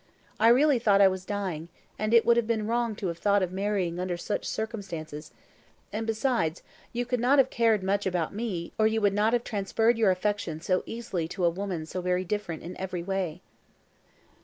I really thought I was dying, and it would have been wrong to have thought of marrying under such circumstances; and besides, you could not have cared much about me, or you would not have transferred your affection so easily to a woman so very different in every way."